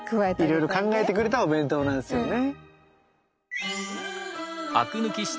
いろいろ考えてくれたお弁当なんですよね。